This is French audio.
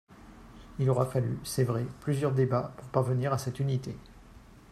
Il aura fallu, c’est vrai, plusieurs débats pour parvenir à cette unité.